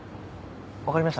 分かりました。